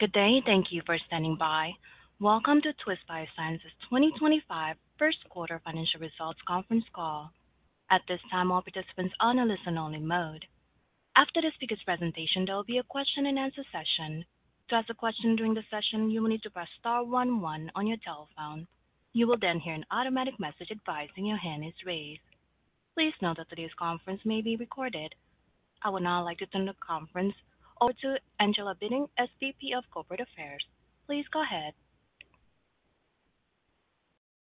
Good day, thank you for standing by. Welcome to Twist Bioscience's 2025 First Quarter Financial Results Conference Call. At this time, all participants are on a listen-only mode. After the speaker's presentation, there will be a question-and-answer session. To ask a question during the session, you will need to press star one one on your telephone. You will then hear an automatic message advising your hand is raised. Please note that today's conference may be recorded. I would now like to turn the conference over to Angela Bitting, SVP of Corporate Affairs. Please go ahead.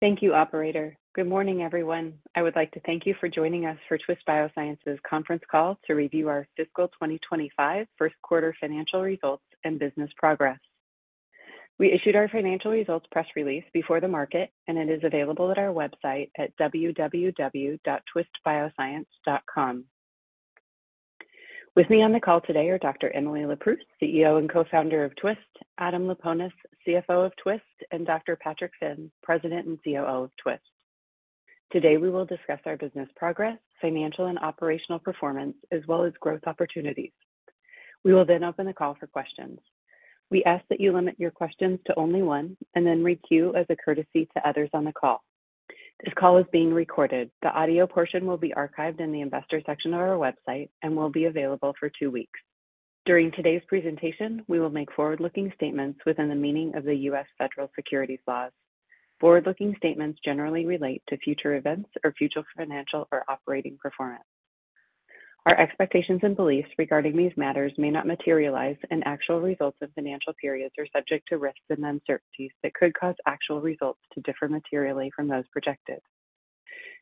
Thank you, Operator. Good morning, everyone. I would like to thank you for joining us for Twist Bioscience's conference call to review our fiscal 2025 first quarter financial results and business progress. We issued our financial results press release before the market, and it is available at our website at www.twistbioscience.com. With me on the call today are Dr. Emily Leproust, CEO and co-founder of Twist; Adam Laponis, CFO of Twist; and Dr. Patrick Finn, President and COO of Twist. Today, we will discuss our business progress, financial and operational performance, as well as growth opportunities. We will then open the call for questions. We ask that you limit your questions to only one and then requeue as a courtesy to others on the call. This call is being recorded. The audio portion will be archived in the investor section of our website and will be available for two weeks. During today's presentation, we will make forward-looking statements within the meaning of the U.S. federal securities laws. Forward-looking statements generally relate to future events or future financial or operating performance. Our expectations and beliefs regarding these matters may not materialize in actual results of financial periods or subject to risks and uncertainties that could cause actual results to differ materially from those projected.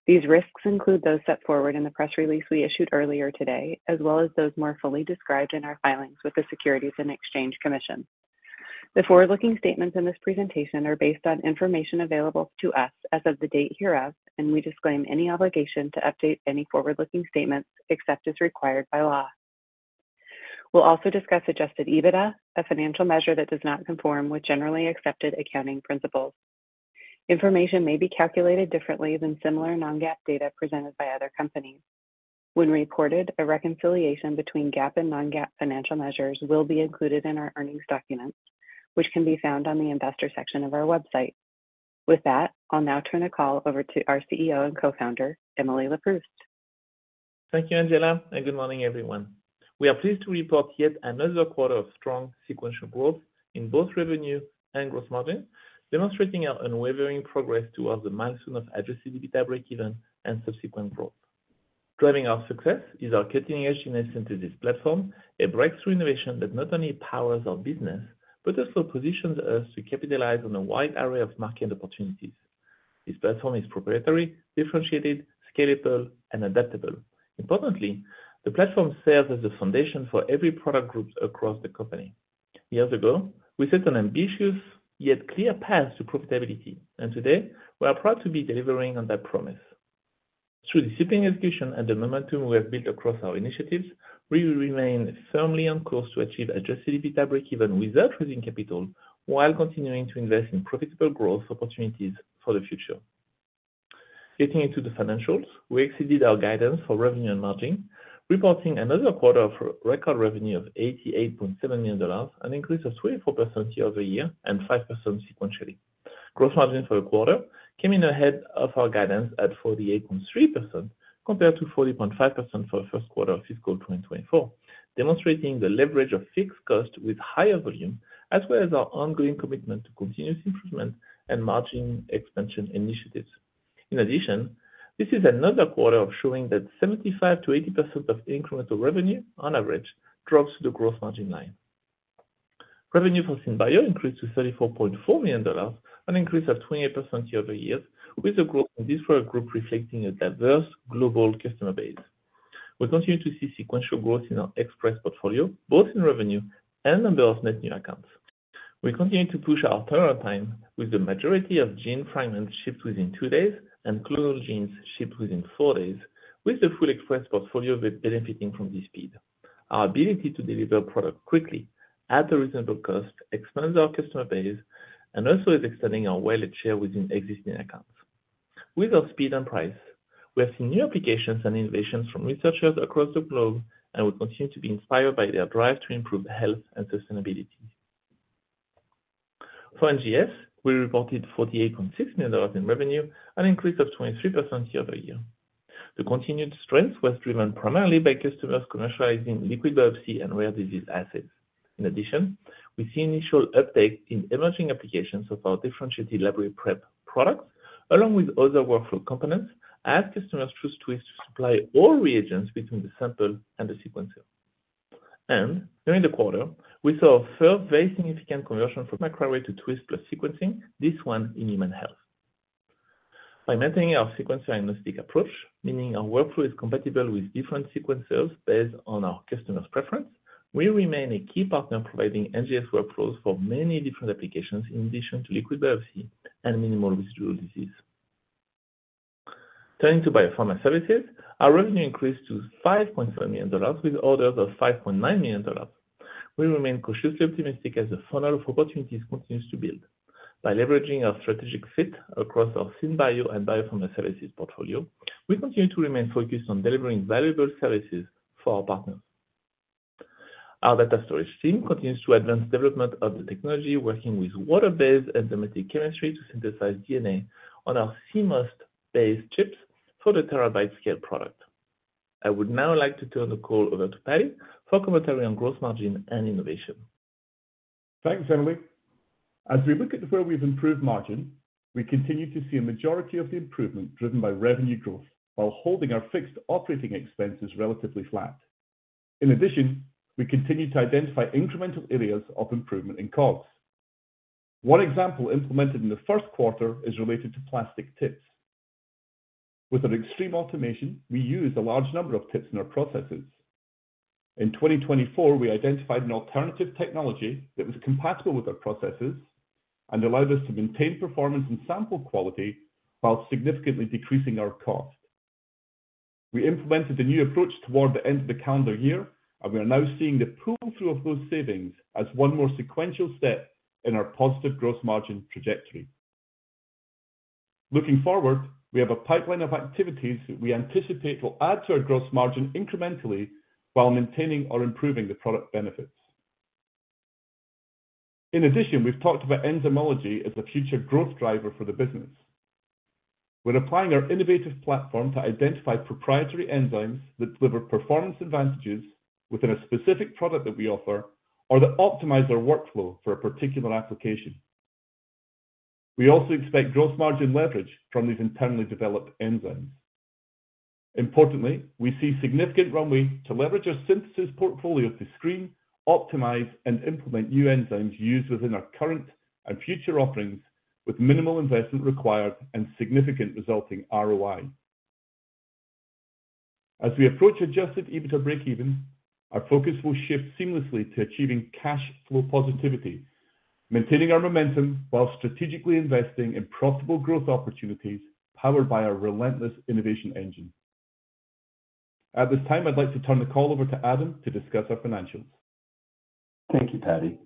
These risks include those set forth in the press release we issued earlier today, as well as those more fully described in our filings with the Securities and Exchange Commission. The forward-looking statements in this presentation are based on information available to us as of the date hereof, and we disclaim any obligation to update any forward-looking statements except as required by law. We'll also discuss Adjusted EBITDA, a financial measure that does not conform with generally accepted accounting principles. Information may be calculated differently than similar non-GAAP data presented by other companies. When reported, a reconciliation between GAAP and non-GAAP financial measures will be included in our earnings documents, which can be found on the investor section of our website. With that, I'll now turn the call over to our CEO and co-founder, Emily Leproust. Thank you, Angela, and good morning, everyone. We are pleased to report yet another quarter of strong sequential growth in both revenue and gross margin, demonstrating our unwavering progress towards the milestone of addressing EBITDA break-even and subsequent growth. Driving our success is our cutting-edge genetic synthesis platform, a breakthrough innovation that not only powers our business but also positions us to capitalize on a wide array of market opportunities. This platform is proprietary, differentiated, scalable, and adaptable. Importantly, the platform serves as the foundation for every product group across the company. Years ago, we set an ambitious yet clear path to profitability, and today, we are proud to be delivering on that promise. Through the shipping execution and the momentum we have built across our initiatives, we remain firmly on course to achieve adjusted EBITDA break-even without raising capital while continuing to invest in profitable growth opportunities for the future. Getting into the financials, we exceeded our guidance for revenue and margin, reporting another quarter of record revenue of $88.7 million, an increase of 24% year over year and 5% sequentially. Gross margin for the quarter came in ahead of our guidance at 48.3% compared to 40.5% for the first quarter of fiscal 2024, demonstrating the leverage of fixed costs with higher volume, as well as our ongoing commitment to continuous improvement and margin expansion initiatives. In addition, this is another quarter of showing that 75%-80% of incremental revenue, on average, drops to the gross margin line. Revenue for SynBio increased to $34.4 million, an increase of 28% year over year, with a growth in this product group reflecting a diverse global customer base. We continue to see sequential growth in our Express Portfolio, both in revenue and number of net new accounts. We continue to push our turnaround time with the majority of Gene Fragments shipped within two days and Clonal Genes shipped within four days, with the full Express Portfolio benefiting from this speed. Our ability to deliver product quickly, at a reasonable cost, expands our customer base and also is extending our wallet share within existing accounts. With our speed and price, we have seen new applications and innovations from researchers across the globe and will continue to be inspired by their drive to improve health and sustainability. For NGS, we reported $48.6 million in revenue, an increase of 23% year over year. The continued strength was driven primarily by customers commercializing liquid biopsy and rare disease assets. In addition, we see initial uptake in emerging applications of our differentiated library prep products, along with other workflow components, as customers choose Twist to supply all reagents between the sample and the sequencer, and during the quarter, we saw a first very significant conversion from microarray to Twist Low-Pass sequencing, this one in human health. By maintaining our sequencer-agnostic approach, meaning our workflow is compatible with different sequencers based on our customers' preference, we remain a key partner providing NGS workflows for many different applications in addition to liquid biopsy and minimal residual disease. Turning to Biopharma Services, our revenue increased to $5.7 million with orders of $5.9 million. We remain cautiously optimistic as the funnel of opportunities continues to build. By leveraging our strategic fit across our SynBio and Biopharma Services portfolio, we continue to remain focused on delivering valuable services for our partners. Our data storage team continues to advance development of the technology, working with water-based enzymatic chemistry to synthesize DNA on our CMOS-based chips for the terabyte-scale product. I would now like to turn the call over to Patty for commentary on gross margin and innovation. Thanks, Emily. As we look at where we've improved margin, we continue to see a majority of the improvement driven by revenue growth while holding our fixed operating expenses relatively flat. In addition, we continue to identify incremental areas of improvement in costs. One example implemented in the first quarter is related to plastic tips. With our extreme automation, we use a large number of tips in our processes. In 2024, we identified an alternative technology that was compatible with our processes and allowed us to maintain performance and sample quality while significantly decreasing our cost. We implemented a new approach toward the end of the calendar year, and we are now seeing the pull-through of those savings as one more sequential step in our positive gross margin trajectory. Looking forward, we have a pipeline of activities that we anticipate will add to our gross margin incrementally while maintaining or improving the product benefits. In addition, we've talked about enzymology as a future growth driver for the business. We're applying our innovative platform to identify proprietary enzymes that deliver performance advantages within a specific product that we offer or that optimize our workflow for a particular application. We also expect gross margin leverage from these internally developed enzymes. Importantly, we see significant runway to leverage our synthesis portfolio to screen, optimize, and implement new enzymes used within our current and future offerings with minimal investment required and significant resulting ROI. As we approach Adjusted EBITDA break-even, our focus will shift seamlessly to achieving cash flow positivity, maintaining our momentum while strategically investing in profitable growth opportunities powered by our relentless innovation engine. At this time, I'd like to turn the call over to Adam to discuss our financials. Thank you, Patty.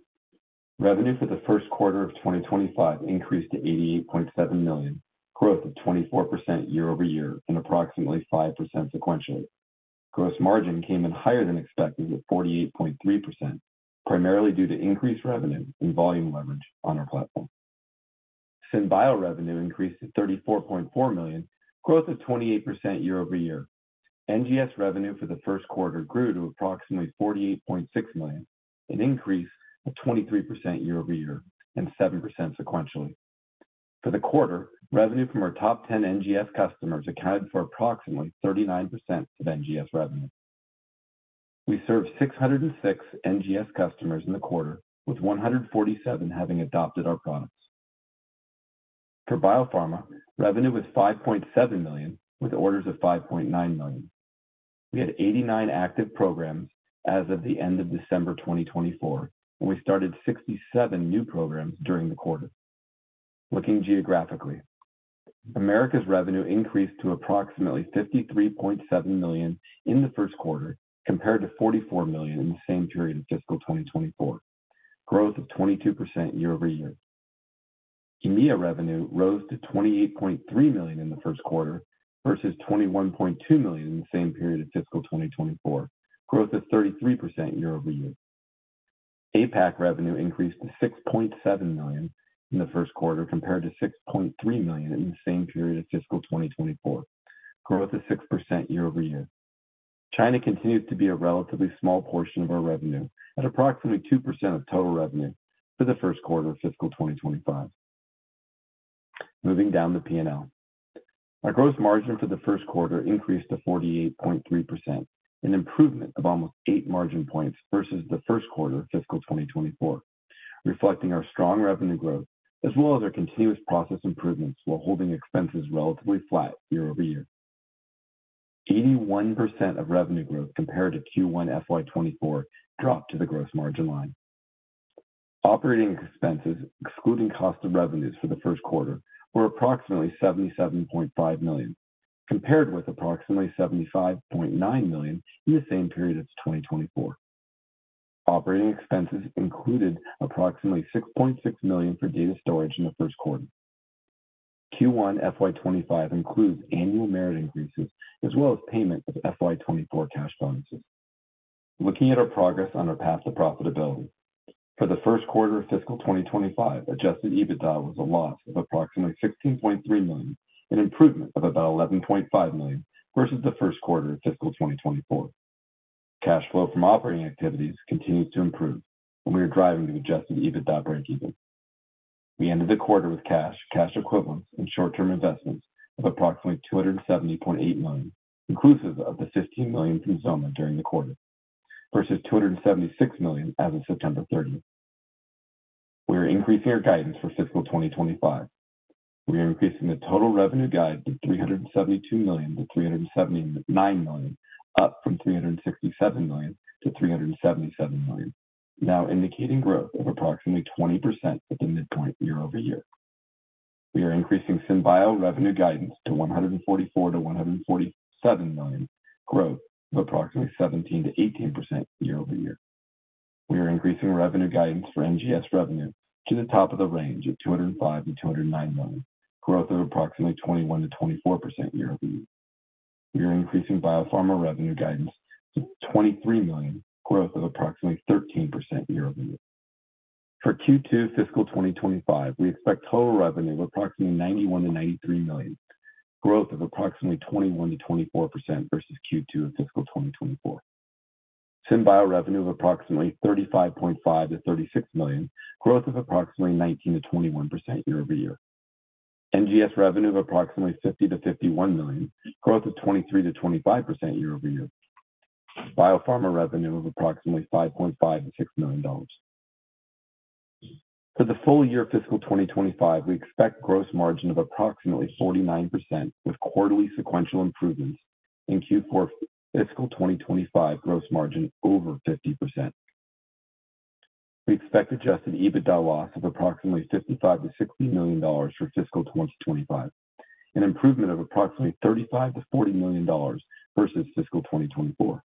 Revenue for the first quarter of 2025 increased to $88.7 million, growth of 24% year over year and approximately 5% sequentially. Gross margin came in higher than expected at 48.3%, primarily due to increased revenue and volume leverage on our platform. SynBio revenue increased to $34.4 million, growth of 28% year over year. NGS revenue for the first quarter grew to approximately $48.6 million, an increase of 23% year over year and 7% sequentially. For the quarter, revenue from our top 10 NGS customers accounted for approximately 39% of NGS revenue. We served 606 NGS customers in the quarter, with 147 having adopted our products. For Biopharma, revenue was $5.7 million, with orders of $5.9 million. We had 89 active programs as of the end of December 2024, and we started 67 new programs during the quarter. Looking geographically, Americas' revenue increased to approximately $53.7 million in the first quarter compared to $44 million in the same period of fiscal 2024, growth of 22% year over year. EMEA revenue rose to $28.3 million in the first quarter versus $21.2 million in the same period of fiscal 2024, growth of 33% year over year. APAC revenue increased to $6.7 million in the first quarter compared to $6.3 million in the same period of fiscal 2024, growth of 6% year over year. China continues to be a relatively small portion of our revenue at approximately 2% of total revenue for the first quarter of fiscal 2025. Moving down the P&L, our gross margin for the first quarter increased to 48.3%, an improvement of almost eight margin points versus the first quarter of fiscal 2024, reflecting our strong revenue growth as well as our continuous process improvements while holding expenses relatively flat year over year. 81% of revenue growth compared to Q1 FY24 dropped to the gross margin line. Operating expenses, excluding cost of revenues for the first quarter, were approximately $77.5 million, compared with approximately $75.9 million in the same period of 2024. Operating expenses included approximately $6.6 million for data storage in the first quarter. Q1 FY25 includes annual merit increases as well as payment of FY24 cash bonuses. Looking at our progress on our path to profitability, for the first quarter of fiscal 2025, Adjusted EBITDA was a loss of approximately $16.3 million, an improvement of about $11.5 million versus the first quarter of fiscal 2024. Cash flow from operating activities continues to improve, and we are driving to Adjusted EBITDA break-even. We ended the quarter with cash, cash equivalents, and short-term investments of approximately $270.8 million, inclusive of the $15 million from XOMA during the quarter versus $276 million as of September 30th. We are increasing our guidance for fiscal 2025. We are increasing the total revenue guide to $372 million-$379 million, up from $367 million-$377 million, now indicating growth of approximately 20% at the midpoint year over year. We are increasing SynBio revenue guidance to $144-$147 million, growth of approximately 17%-18% year over year. We are increasing revenue guidance for NGS revenue to the top of the range of $205-$209 million, growth of approximately 21%-24% year over year. We are increasing Biopharma revenue guidance to $23 million, growth of approximately 13% year over year. For Q2 fiscal 2025, we expect total revenue of approximately $91-$93 million, growth of approximately 21%-24% versus Q2 of fiscal 2024. SynBio revenue of approximately $35.5-$36 million, growth of approximately 19%-21% year over year. NGS revenue of approximately $50-$51 million, growth of 23%-25% year over year. Biopharma revenue of approximately $5.5-$6 million. For the full year of fiscal 2025, we expect gross margin of approximately 49% with quarterly sequential improvements in Q4 fiscal 2025, gross margin over 50%. We expect adjusted EBITDA loss of approximately $55-$60 million for fiscal 2025, an improvement of approximately $35-$40 million versus fiscal 2024.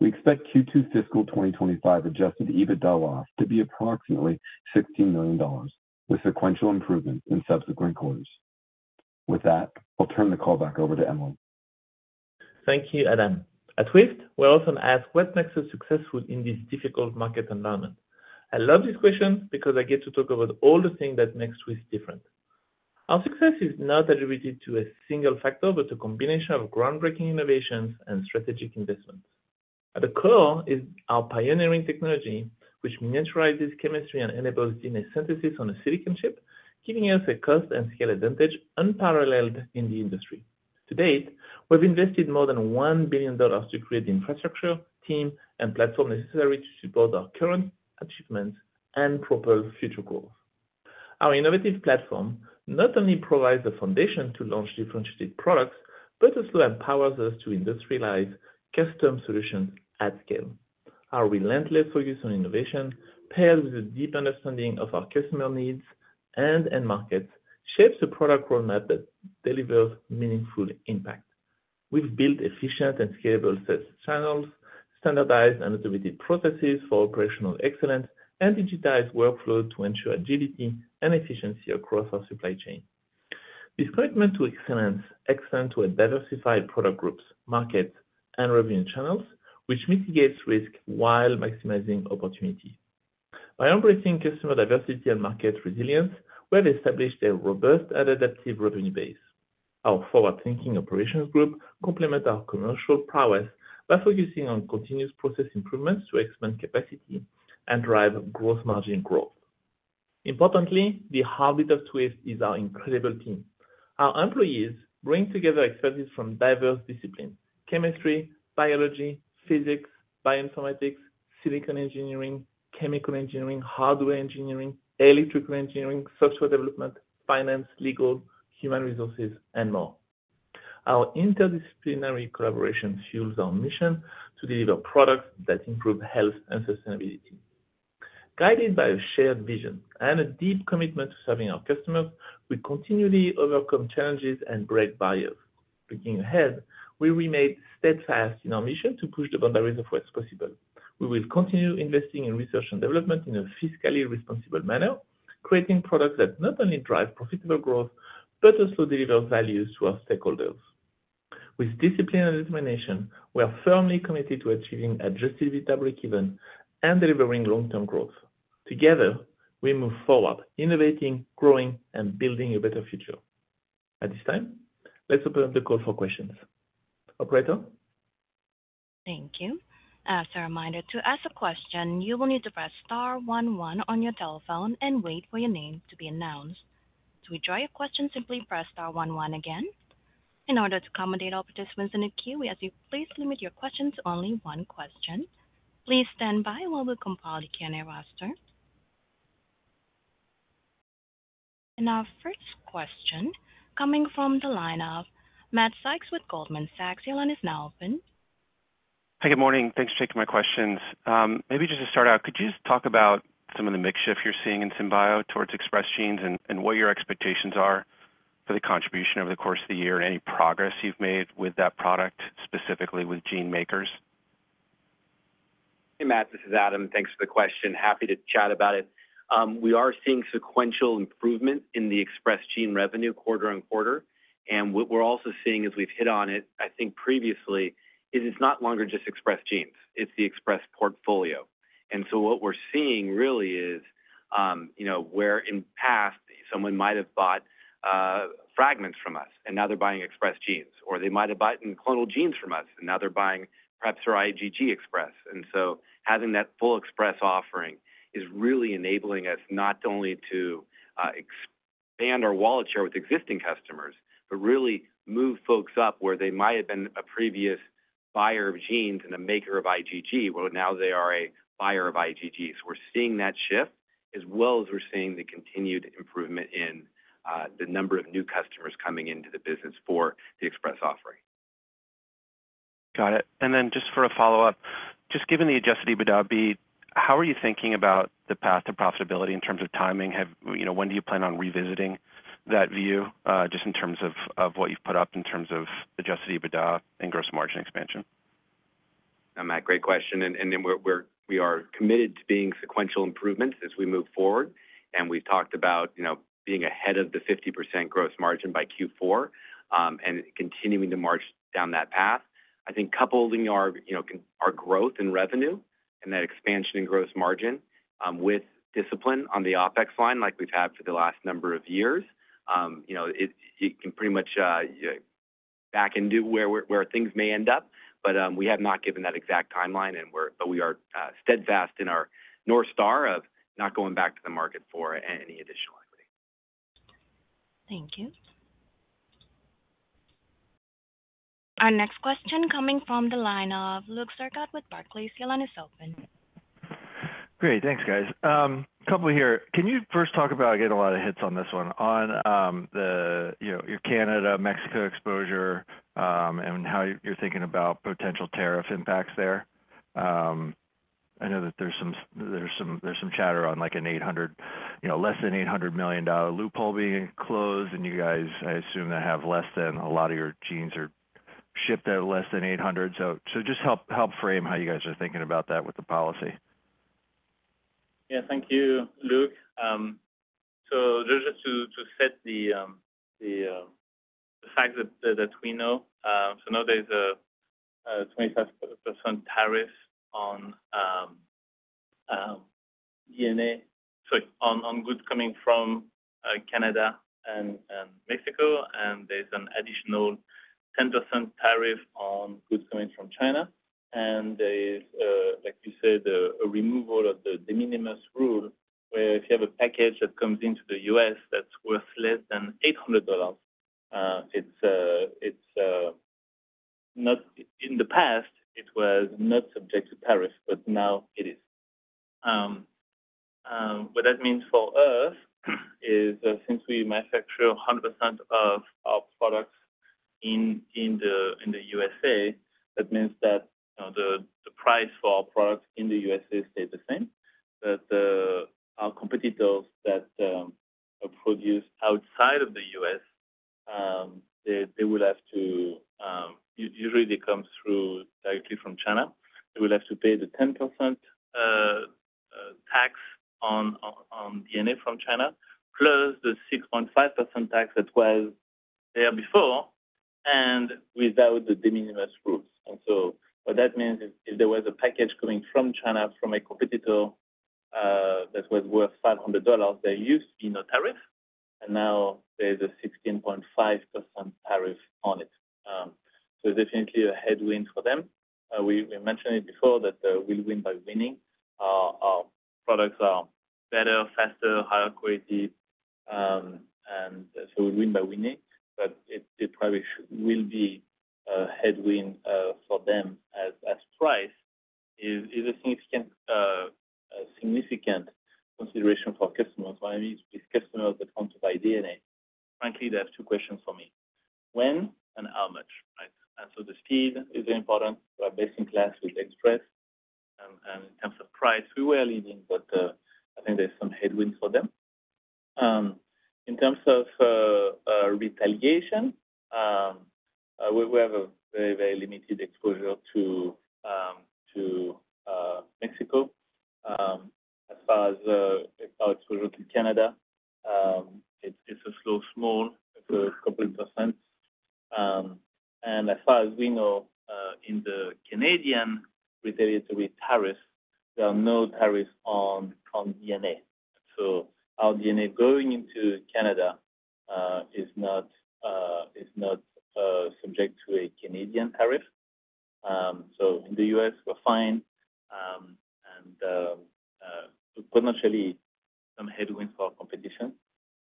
We expect Q2 fiscal 2025 adjusted EBITDA loss to be approximately $16 million, with sequential improvements in subsequent quarters. With that, I'll turn the call back over to Emily. Thank you, Adam. At Twist, we often ask, what makes us successful in this difficult market environment? I love this question because I get to talk about all the things that make Twist different. Our success is not attributed to a single factor, but to a combination of groundbreaking innovations and strategic investments. At the core is our pioneering technology, which miniaturizes chemistry and enables DNA synthesis on a silicon chip, giving us a cost and scale advantage unparalleled in the industry. To date, we've invested more than $1 billion to create the infrastructure, team, and platform necessary to support our current achievements and propel future growth. Our innovative platform not only provides a foundation to launch differentiated products, but also empowers us to industrialize custom solutions at scale. Our relentless focus on innovation, paired with a deep understanding of our customer needs and end markets, shapes a product roadmap that delivers meaningful impact. We've built efficient and scalable sales channels, standardized and automated processes for operational excellence, and digitized workflows to ensure agility and efficiency across our supply chain. This commitment to excellence extends to diversified product groups, markets, and revenue channels, which mitigates risk while maximizing opportunity. By embracing customer diversity and market resilience, we have established a robust and adaptive revenue base. Our forward-thinking operations group complements our commercial prowess by focusing on continuous process improvements to expand capacity and drive gross margin growth. Importantly, the heartbeat of Twist is our incredible team. Our employees bring together experts from diverse disciplines: chemistry, biology, physics, bioinformatics, silicon engineering, chemical engineering, hardware engineering, electrical engineering, software development, finance, legal, human resources, and more. Our interdisciplinary collaboration fuels our mission to deliver products that improve health and sustainability. Guided by a shared vision and a deep commitment to serving our customers, we continually overcome challenges and break barriers. Looking ahead, we remain steadfast in our mission to push the boundaries of what's possible. We will continue investing in research and development in a fiscally responsible manner, creating products that not only drive profitable growth but also deliver value to our stakeholders. With discipline and determination, we are firmly committed to achieving Adjusted EBITDA break-even and delivering long-term growth. Together, we move forward, innovating, growing, and building a better future. At this time, let's open up the call for questions. Operator? Thank you. As a reminder, to ask a question, you will need to press star one one on your telephone and wait for your name to be announced. To withdraw your question, simply press star one one again. In order to accommodate all participants in the queue, we ask you to please limit your questions to only one question. Please stand by while we compile the Q&A roster. And our first question coming from the line of Matt Sykes with Goldman Sachs. The line is now open. Hi, good morning. Thanks for taking my questions. Maybe just to start out, could you just talk about some of the mixture you're seeing in SynBio towards Express Genes and what your expectations are for the contribution over the course of the year and any progress you've made with that product, specifically with gene makers? Hey, Matt. This is Adam. Thanks for the question. Happy to chat about it. We are seeing sequential improvements in the Express Genes revenue quarter on quarter. And what we're also seeing, as we've hit on it, I think previously, is it's no longer just Express Genes. It's the Express Portfolio. And so what we're seeing really is where in the past someone might have bought Gene Fragments from us, and now they're buying Express Genes, or they might have bought Clonal Genes from us, and now they're buying perhaps their IgG Express. And so having that full Express offering is really enabling us not only to expand our wallet share with existing customers, but really move folks up where they might have been a previous buyer of Genes and a maker of IgG, where now they are a buyer of IgG. So we're seeing that shift, as well as we're seeing the continued improvement in the number of new customers coming into the business for the Express offering. Got it. And then just for a follow-up, just given the Adjusted EBITDA beat, how are you thinking about the path to profitability in terms of timing? When do you plan on revisiting that view, just in terms of what you've put up in terms of Adjusted EBITDA and Gross Margin expansion? Matt, great question. And then we are committed to being sequential improvements as we move forward. And we've talked about being ahead of the 50% gross margin by Q4 and continuing to march down that path. I think coupling our growth and revenue and that expansion in gross margin with discipline on the OpEx line, like we've had for the last number of years, it can pretty much back into where things may end up. But we have not given that exact timeline, but we are steadfast in our North Star of not going back to the market for any additional equity. Thank you. Our next question coming from the line of Luke Sergott with Barclays. The line is open. Great. Thanks, guys. Couple here. Can you first talk about, I get a lot of hits on this one, on your Canada, Mexico exposure and how you're thinking about potential tariff impacts there? I know that there's some chatter on an $800, less than $800 million loophole being closed, and you guys, I assume, that have less than a lot of your Genes are shipped at less than 800. So just help frame how you guys are thinking about that with the policy. Yeah, thank you, Luke. So just to set the fact that we know, so now there's a 25% tariff on DNA, sorry, on goods coming from Canada and Mexico, and there's an additional 10% tariff on goods coming from China. And there is, like you said, a removal of the de minimis rule where if you have a package that comes into the U.S. that's worth less than $800, it's not. In the past, it was not subject to tariff, but now it is. What that means for us is since we manufacture 100% of our products in the USA, that means that the price for our products in the USA stays the same. But our competitors that produce outside of the U.S., they will have to, usually they come directly from China, they will have to pay the 10% tax on DNA from China, plus the 6.5% tax that was there before and without the de minimis rules. And so what that means is if there was a package coming from China, from a competitor that was worth $500, there used to be no tariff, and now there's a 16.5% tariff on it. So it's definitely a headwind for them. We mentioned it before, that we'll win by winning. Our products are better, faster, higher quality, and so we'll win by winning. But it probably will be a headwind for them as price is a significant consideration for customers. What I mean is these customers that want to buy DNA, frankly, they have two questions for me. When and how much, right? And so the speed is important. We are best in class with express. And in terms of price, we were leading, but I think there's some headwinds for them. In terms of retaliation, we have a very, very limited exposure to Mexico. As far as our exposure to Canada, it's also small, a couple of percent. And as far as we know, in the Canadian retaliatory tariffs, there are no tariffs on DNA. So our DNA going into Canada is not subject to a Canadian tariff. So in the U.S., we're fine. And potentially some headwinds for our competition.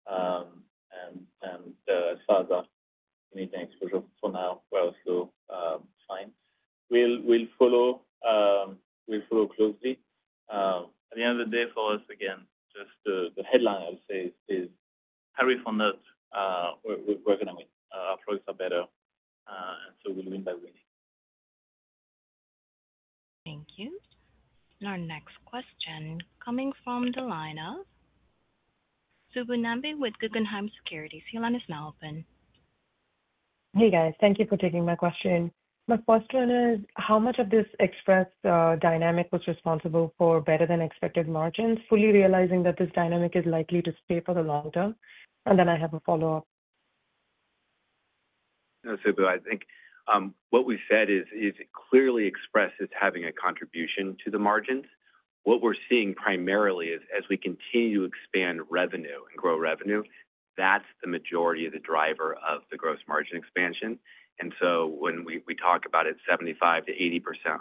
And as far as our Canadian exposure for now, we're also fine. We'll follow closely. At the end of the day, for us, again, just the headline, I would say, is tariff or not, we're going to win. Our products are better, and so we'll win by winning. Thank you. And our next question coming from the line of Subbu Nambi with Guggenheim Securities. The line is now open. Hey, guys. Thank you for taking my question. My first one is, how much of this Express dynamic was responsible for better-than-expected margins, fully realizing that this dynamic is likely to stay for the long term? And then I have a follow-up. No, Subu, I think what we've said is it clearly expresses having a contribution to the margins. What we're seeing primarily is, as we continue to expand revenue and grow revenue, that's the majority of the driver of the gross margin expansion. And so when we talk about it, 75%-80%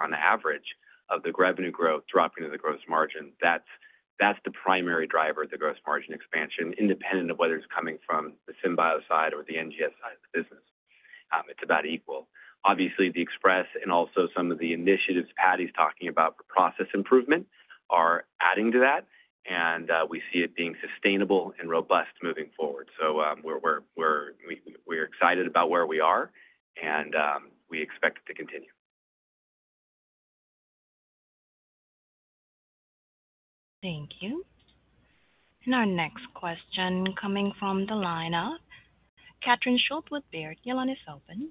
on average of the revenue growth dropping into the gross margin, that's the primary driver of the gross margin expansion, independent of whether it's coming from the SynBio side or the NGS side of the business. It's about equal. Obviously, the express and also some of the initiatives Patty's talking about for process improvement are adding to that, and we see it being sustainable and robust moving forward. So we're excited about where we are, and we expect it to continue. Thank you. And our next question coming from the line of Catherine Schulte with Baird. The line is open.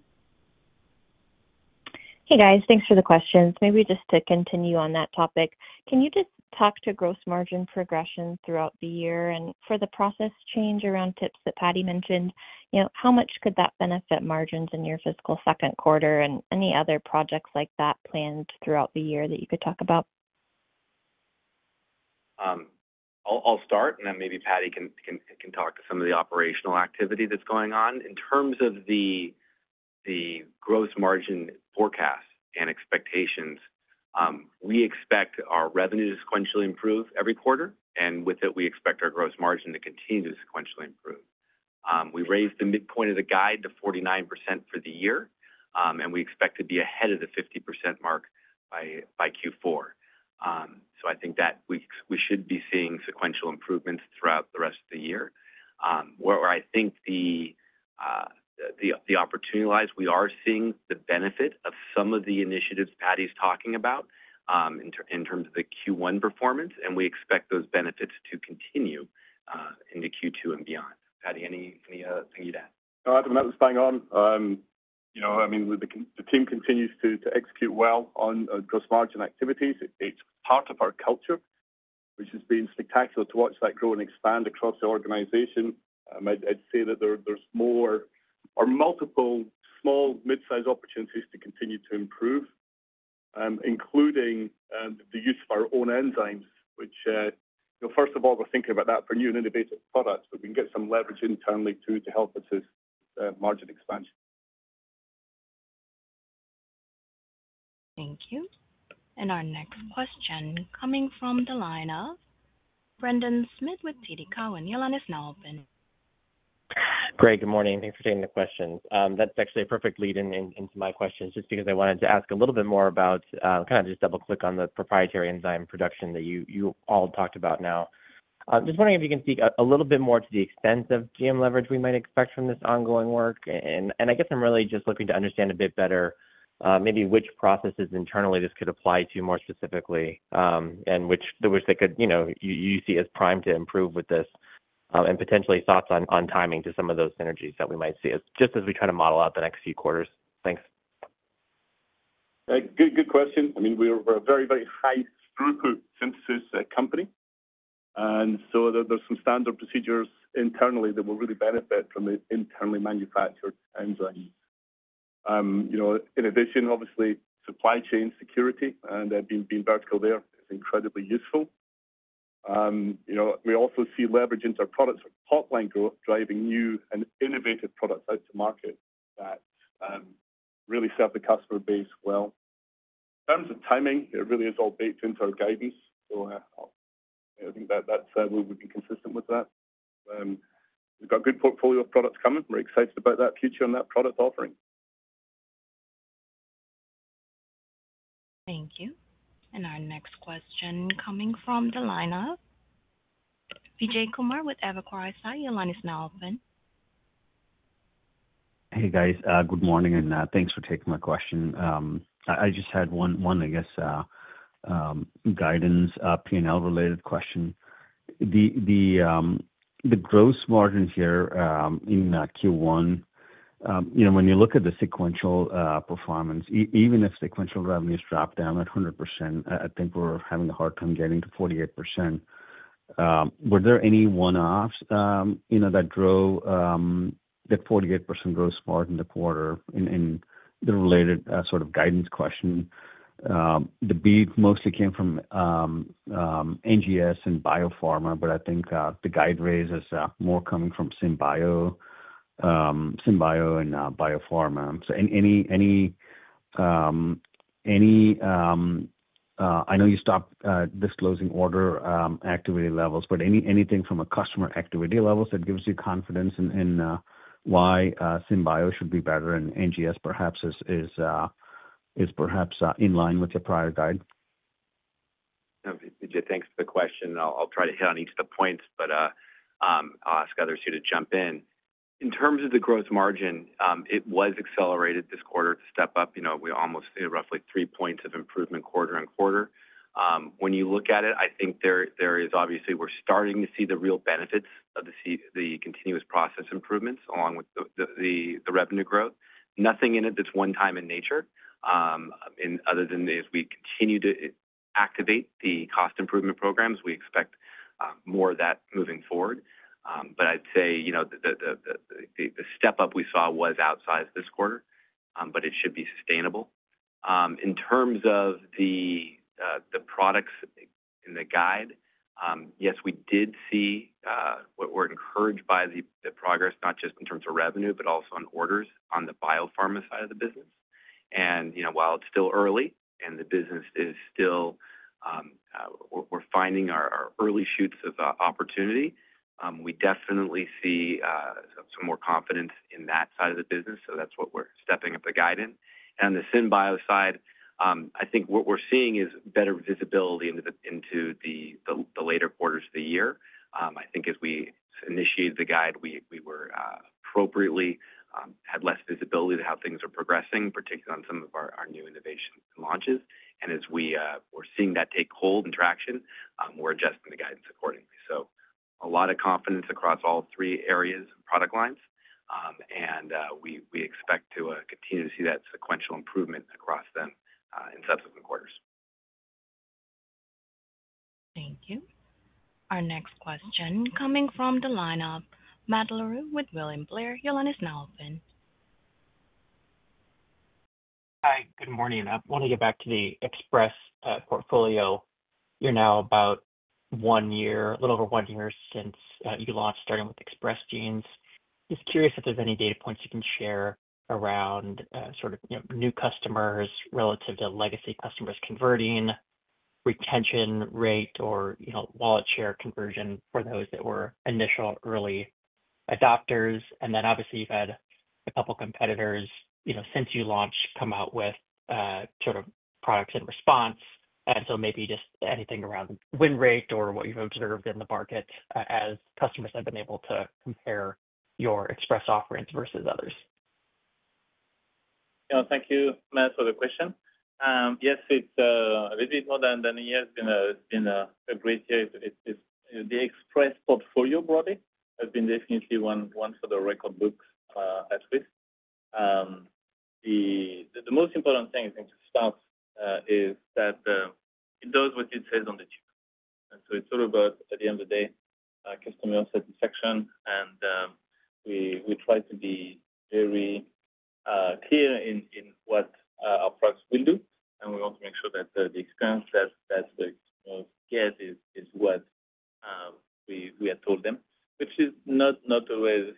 Hey, guys. Thanks for the questions. Maybe just to continue on that topic, can you just talk to gross margin progression throughout the year? And for the process change around tips that Patty mentioned, how much could that benefit margins in your fiscal second quarter and any other projects like that planned throughout the year that you could talk about? I'll start, and then maybe Patty can talk to some of the operational activity that's going on. In terms of the gross margin forecast and expectations, we expect our revenue to sequentially improve every quarter, and with it, we expect our gross margin to continue to sequentially improve. We raised the midpoint of the guide to 49% for the year, and we expect to be ahead of the 50% mark by Q4. So I think that we should be seeing sequential improvements throughout the rest of the year. Where I think the opportunity lies is we are seeing the benefit of some of the initiatives Patty's talking about in terms of the Q1 performance, and we expect those benefits to continue into Q2 and beyond. Patty, any other thing you'd add? No, I think Matt was bang on. I mean, the team continues to execute well on gross margin activities. It's part of our culture, which has been spectacular to watch that grow and expand across the organization. I'd say that there's more or multiple small, mid-sized opportunities to continue to improve, including the use of our own enzymes, which, first of all, we're thinking about that for new and innovative products, but we can get some leverage internally to help us with margin expansion. Thank you, and our next question coming from the line of Brendan Smith with TD Cowen, and your line is now open. Great. Good morning. Thanks for taking the question. That's actually a perfect lead-in into my questions just because I wanted to ask a little bit more about kind of just double-click on the proprietary enzyme production that you all talked about now. Just wondering if you can speak a little bit more to the extent of GM leverage we might expect from this ongoing work. And I guess I'm really just looking to understand a bit better maybe which processes internally this could apply to more specifically and which you could see as primed to improve with this and potentially thoughts on timing to some of those synergies that we might see just as we try to model out the next few quarters. Thanks. Good question. I mean, we're a very, very high-throughput synthesis company. And so there's some standard procedures internally that will really benefit from the internally manufactured enzymes. In addition, obviously, supply chain security and being vertical there is incredibly useful. We also see leverage into our products for pipeline growth, driving new and innovative products out to market that really serve the customer base well. In terms of timing, it really is all baked into our guidance. So I think that we've been consistent with that. We've got a good portfolio of products coming. We're excited about that future and that product offering. Thank you. And our next question coming from the line of Vijay Kumar with Evercore ISI. Line is now open. Hey, guys. Good morning, and thanks for taking my question. I just had one, I guess, guidance P&L-related question. The gross margin here in Q1, when you look at the sequential performance, even if sequential revenues dropped down at 100%, I think we're having a hard time getting to 48%. Were there any one-offs that 48% gross margin the quarter in the related sort of guidance question? The beat mostly came from NGS and Biopharma, but I think the guide raise is more coming from SynBio and Biopharma. So any—I know you stopped disclosing order activity levels, but anything from a customer activity level that gives you confidence in why SynBio should be better and NGS perhaps is perhaps in line with your prior guide? Vijay, thanks for the question. I'll try to hit on each of the points, but I'll ask others here to jump in. In terms of the gross margin, it was accelerated this quarter to step up. We almost hit roughly three points of improvement quarter on quarter. When you look at it, I think there is obviously, we're starting to see the real benefits of the continuous process improvements along with the revenue growth. Nothing in it that's one-time in nature. Other than as we continue to activate the cost improvement programs, we expect more of that moving forward. But I'd say the step-up we saw was outsized this quarter, but it should be sustainable. In terms of the products in the guide, yes, we did see, we're encouraged by the progress, not just in terms of revenue, but also on orders on the Biopharma side of the business. And while it's still early and the business is still, we're finding our early shoots of opportunity. We definitely see some more confidence in that side of the business, so that's what we're stepping up the guide in. And on the SynBio side, I think what we're seeing is better visibility into the later quarters of the year. I think as we initiated the guide, we appropriately had less visibility to how things are progressing, particularly on some of our new innovation launches. And as we're seeing that take hold and traction, we're adjusting the guidance accordingly. So a lot of confidence across all three areas and product lines, and we expect to continue to see that sequential improvement across them in subsequent quarters. Thank you. Our next question coming from the line of Matt Larew with William Blair. The line is now open. Hi, good morning. I want to get back to the Express Portfolio. You're now about one year, a little over one year since you launched, starting with Express Genes. Just curious if there's any data points you can share around sort of new customers relative to legacy customers converting, retention rate, or wallet share conversion for those that were initial early adopters. And then obviously, you've had a couple of competitors since you launched come out with sort of products in response. And so maybe just anything around win rate or what you've observed in the market as customers have been able to compare your Express offerings versus others. Thank you, Matt, for the question. Yes, it's a little bit more than a year. It's been a great year. The express portfolio broadly has been definitely one for the record books at least. The most important thing, I think, to start is that it does what it says on the chip. And so it's all about, at the end of the day, customer satisfaction, and we try to be very clear in what our products will do. And we want to make sure that the experience that the customers get is what we have told them, which is not always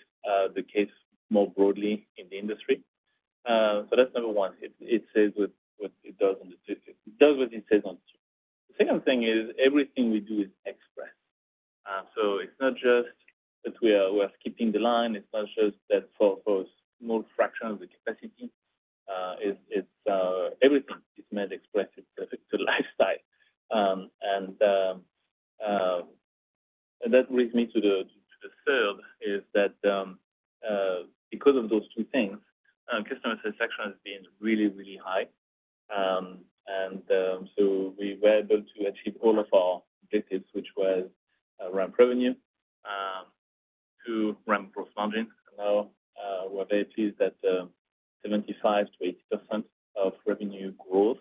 the case more broadly in the industry. So that's number one. It says what it does on the chip. It does what it says on the chip. The second thing is everything we do is express. So it's not just that we are skipping the line. It's not just that for a small fraction of the capacity. Everything is made Express. It's a lifestyle, and that brings me to the third is that because of those two things, customer satisfaction has been really, really high, and so we were able to achieve all of our objectives, which was non-GAAP revenue to non-GAAP gross margin, and now we're very pleased that 75%-80% of revenue growth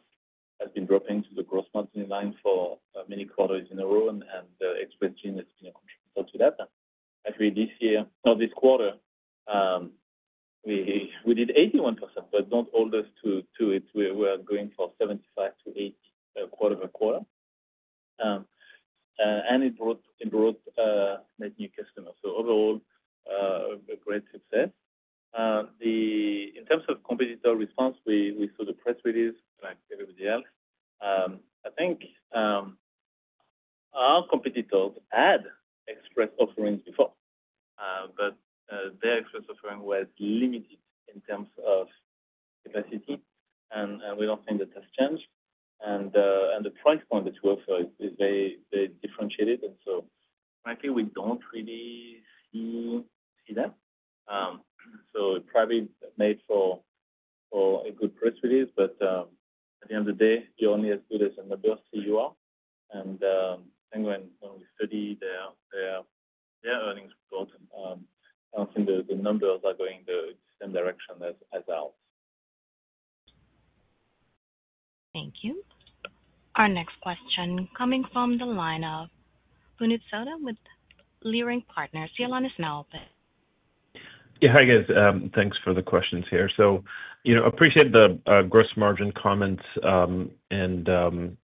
has been dropping to the gross margin line for many quarters in a row, and the Express Genes has been a contributor to that. Actually, this year, or this quarter, we did 81%, but not all those too. We were going for 75%-80% quarter by quarter, and it brought many new customers, so overall, a great success. In terms of competitor response, we saw the press release like everybody else. I think our competitors had express offerings before, but their Express offering was limited in terms of capacity, and we don't think that has changed. And the price point that you offer is very differentiated. And so frankly, we don't really see that. So probably made for a good press release, but at the end of the day, you're only as good as the numbers you are. And when we study their earnings report, I don't think the numbers are going the same direction as ours. Thank you. Our next question coming from the line of Puneet Souda with Leerink Partners. The line is now open. Yeah, hi, guys. Thanks for the questions here. So I appreciate the gross margin comments, and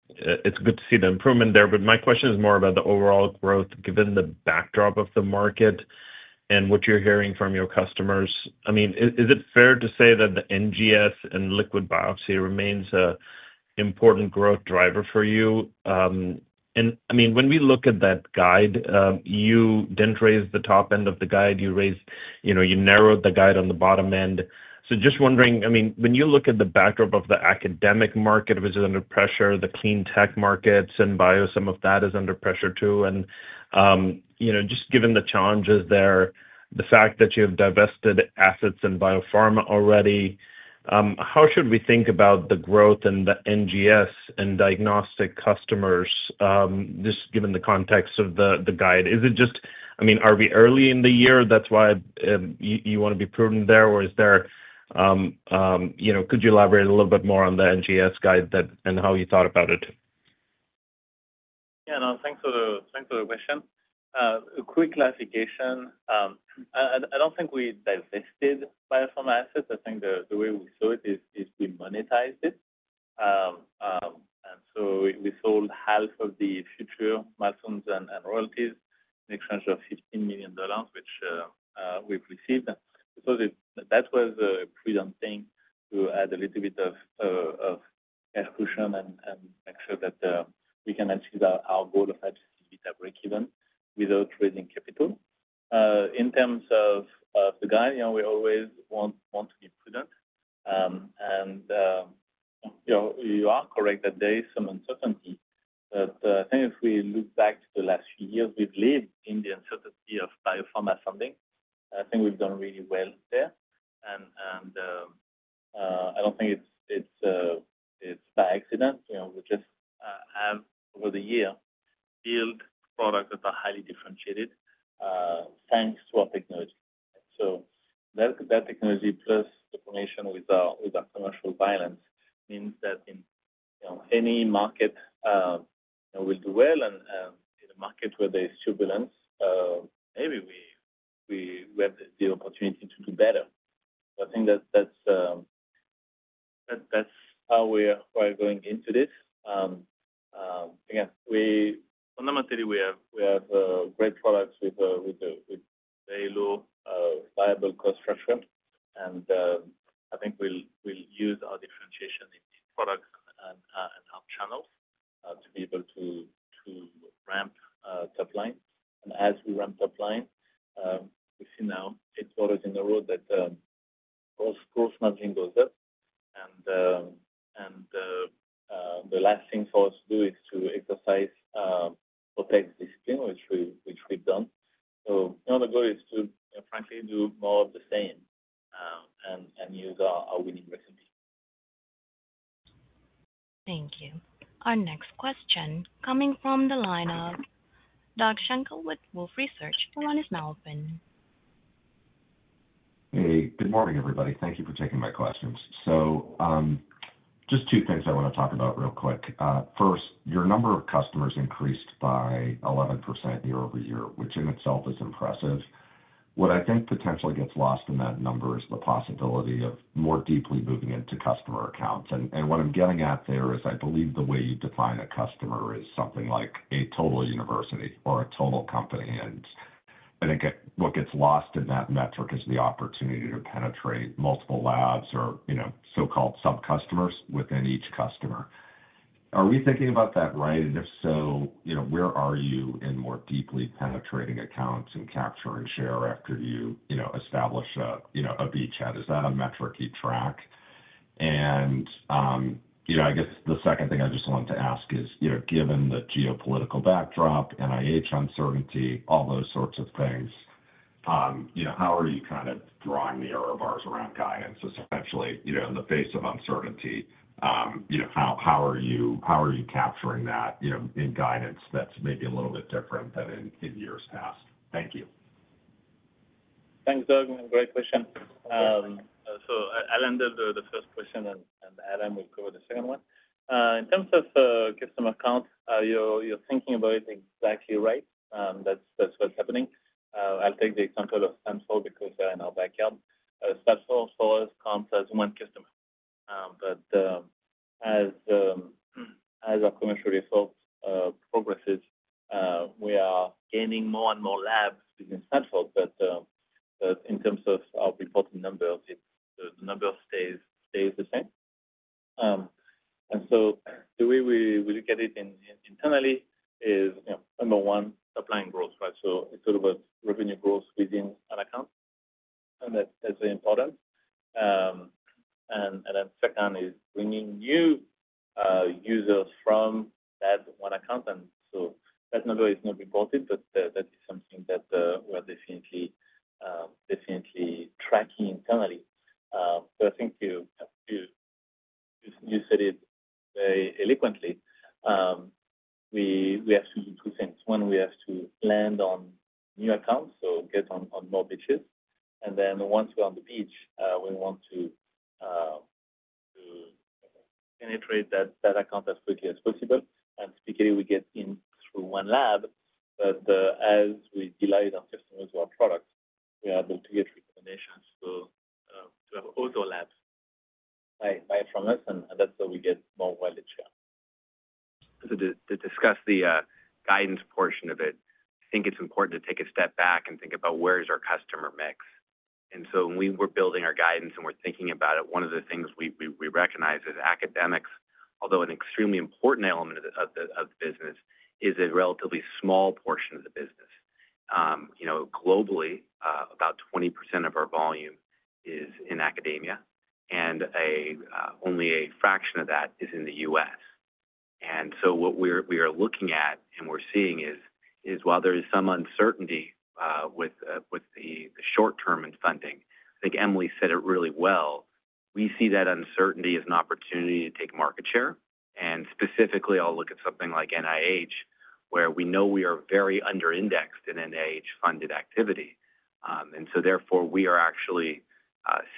it's good to see the improvement there, but my question is more about the overall growth given the backdrop of the market and what you're hearing from your customers. I mean, is it fair to say that the NGS and liquid biopsy remains an important growth driver for you? And I mean, when we look at that guide, you didn't raise the top end of the guide. You narrowed the guide on the bottom end. So just wondering, I mean, when you look at the backdrop of the academic market, which is under pressure, the clean tech market, SynBio, some of that is under pressure too. And just given the challenges there, the fact that you have divested assets in Biopharma already, how should we think about the growth and the NGS and diagnostic customers, just given the context of the guide? Is it just, I mean, are we early in the year? That's why you want to be prudent there, or is there? Could you elaborate a little bit more on the NGS guide and how you thought about it? Yeah, no, thanks for the question. A quick clarification. I don't think we divested Biopharma assets. I think the way we saw it is we monetized it. And so we sold half of the future milestones and royalties in exchange for $15 million, which we've received. So that was a prudent thing to add a little bit of cash cushion and make sure that we can achieve our goal of actually beat our breakeven without raising capital. In terms of the guide, we always want to be prudent. And you are correct that there is some uncertainty. But I think if we look back to the last few years, we've lived in the uncertainty of Biopharma funding. I think we've done really well there. And I don't think it's by accident. We just have, over the years, built products that are highly differentiated thanks to our technology. So that technology, plus the formation with our commercial alliances, means that in any market, we'll do well. And in a market where there is turbulence, maybe we have the opportunity to do better. So I think that's how we're going into this. Again, fundamentally, we have great products with a very low variable cost structure. And I think we'll use our differentiation in products and our channels to be able to ramp top line. And as we ramp top line, we see now eight quarters in a row that gross margin goes up. And the last thing for us to do is to exercise profit discipline, which we've done. So the goal is to, frankly, do more of the same and use our winning recipe. Thank you. Our next question coming from the line of Doug Schenkel with Wolfe Research. The line is now open. Hey, good morning, everybody. Thank you for taking my questions. So just two things I want to talk about real quick. First, your number of customers increased by 11% year over year, which in itself is impressive. What I think potentially gets lost in that number is the possibility of more deeply moving into customer accounts. And what I'm getting at there is I believe the way you define a customer is something like a total university or a total company. And I think what gets lost in that metric is the opportunity to penetrate multiple labs or so-called sub-customers within each customer. Are we thinking about that right? And if so, where are you in more deeply penetrating accounts and capturing share after you establish a beachhead? Is that a metric you track? And I guess the second thing I just wanted to ask is, given the geopolitical backdrop, NIH uncertainty, all those sorts of things, how are you kind of drawing the error bars around guidance? So essentially, in the face of uncertainty, how are you capturing that in guidance that's maybe a little bit different than in years past? Thank you. Thanks, Doug. Great question. So I'll handle the first question, and Adam will cover the second one. In terms of customer accounts, you're thinking about it exactly right. That's what's happening. I'll take the example of Stanford because in our backyard, Stanford for us counts as one customer. But as our commercial effort progresses, we are gaining more and more labs within Stanford. But in terms of our reporting numbers, the number stays the same. And so the way we look at it internally is, number one, supplying growth, right? So it's all about revenue growth within an account. And that's very important. And then the second is bringing new users from that one account. And so that number is not reported, but that is something that we are definitely tracking internally. But I think you said it very eloquently. We have to do two things. One, we have to land on new accounts, so get on more beaches. And then once we're on the beach, we want to penetrate that account as quickly as possible. And typically, we get in through one lab. But as we delight our customers with our products, we are able to get recommendations to have other labs buy from us, and that's how we get more wallet share. To discuss the guidance portion of it, I think it's important to take a step back and think about where's our customer mix. So when we were building our guidance and we're thinking about it, one of the things we recognize is academics, although an extremely important element of the business, is a relatively small portion of the business. Globally, about 20% of our volume is in academia, and only a fraction of that is in the U.S. So what we are looking at and we're seeing is, while there is some uncertainty with the short-term in funding, I think Emily said it really well, we see that uncertainty as an opportunity to take market share. Specifically, I'll look at something like NIH, where we know we are very under-indexed in NIH-funded activity. Therefore, we are actually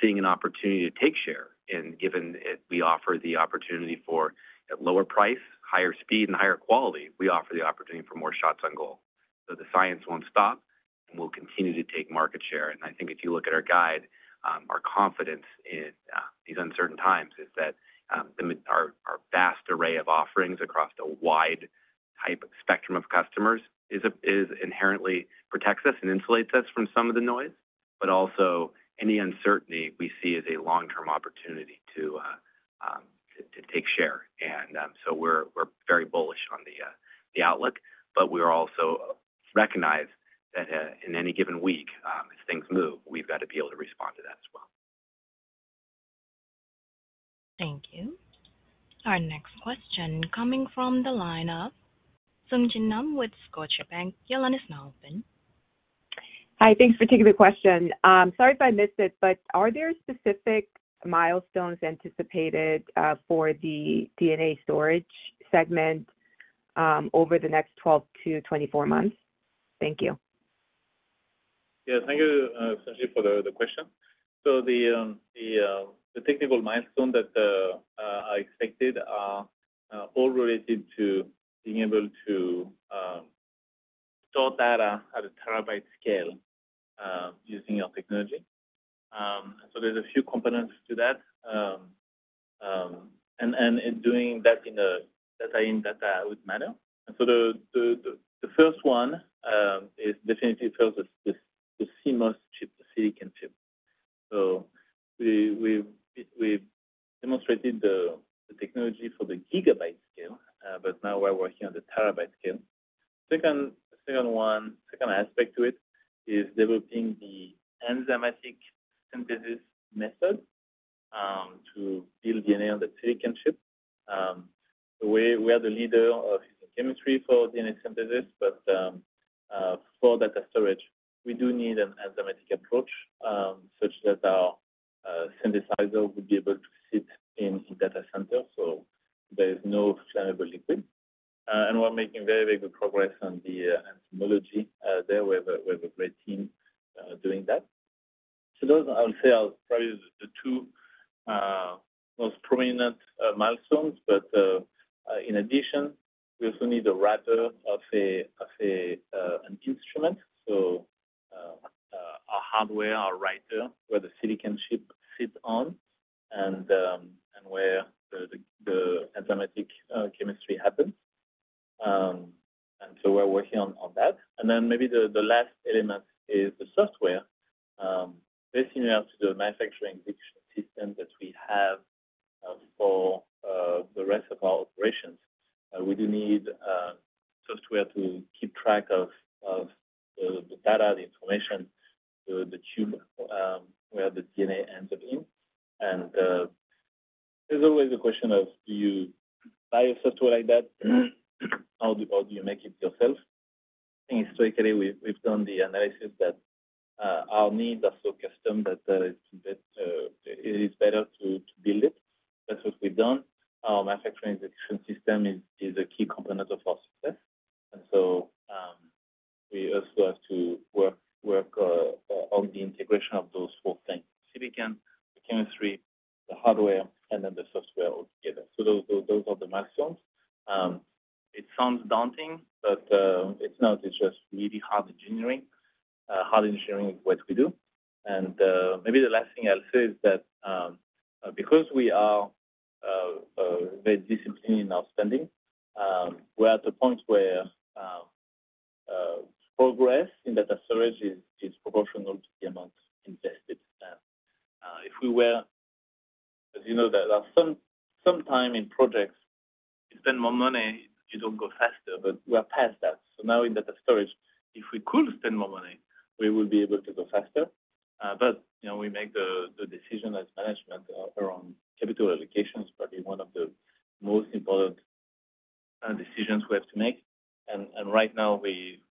seeing an opportunity to take share. And given we offer the opportunity for a lower price, higher speed, and higher quality, we offer the opportunity for more shots on goal. So the science won't stop, and we'll continue to take market share. And I think if you look at our guide, our confidence in these uncertain times is that our vast array of offerings across a wide spectrum of customers inherently protects us and insulates us from some of the noise, but also any uncertainty we see as a long-term opportunity to take share. And so we're very bullish on the outlook, but we also recognize that in any given week, if things move, we've got to be able to respond to that as well. Thank you. Our next question coming from the line of Sung Ji Nam with Scotiabank. Your line is now open. Hi, thanks for taking the question. Sorry if I missed it, but are there specific milestones anticipated for the DNA storage segment over the next 12-24 months? Thank you. Yeah, thank you for the question. So the technical milestones that are expected are all related to being able to store data at a terabyte scale using our technology. So there's a few components to that. And doing that in data centers would matter. So the first one is definitely for the CMOS chip, the silicon chip. So we've demonstrated the technology for the gigabyte scale, but now we're working on the terabyte scale. Second aspect to it is developing the enzymatic synthesis method to build DNA on the silicon chip. We are the leader of using chemistry for DNA synthesis, but for data storage, we do need an enzymatic approach such that our synthesizer would be able to sit in a data center so there is no flammable liquid. And we're making very, very good progress on the enzymology there. We have a great team doing that. Those, I would say, are probably the two most prominent milestones. But in addition, we also need a reactor of an instrument. So our hardware, our reactor, where the silicon chip sits on and where the enzymatic chemistry happens. And so we're working on that. And then maybe the last element is the software. Based on the manufacturing system that we have for the rest of our operations, we do need software to keep track of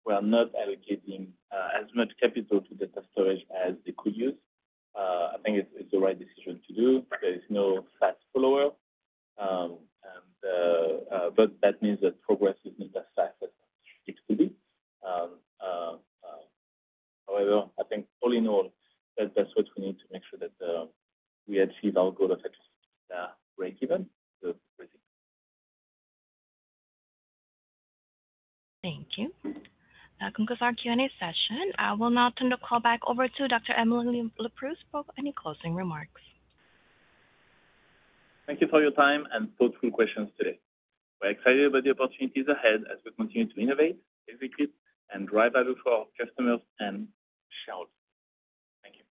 we are not allocating as much capital to data storage as we could use. I think it's the right decision to do. There is no fast follower. But that means that progress is not as fast as it used to be. However, I think all in all, that's what we need to make sure that we achieve our goal of achieving the breakeven. Thank you. That concludes our Q&A session. I will now turn the call back over to Dr. Emily Leproust for any closing remarks. Thank you for your time and thoughtful questions today. We're excited about the opportunities ahead as we continue to innovate, execute, and drive value for our customers and shareholders. Thank you.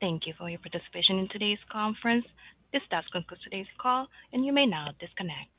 Thank you for your participation in today's conference. This does conclude today's call, and you may now disconnect.